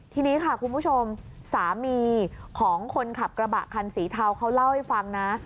ทีนี้ค่ะคุณผู้ชมสามีของคนขับกระบะคันสีเทาเขาเล่าให้ฟังนะ